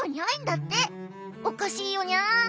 おかしいよにゃ！